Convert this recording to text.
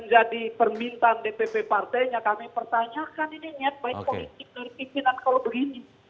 jadi permintaan dpp partainya kami pertanyakan ini niat baik politik dari pimpinan kalau begini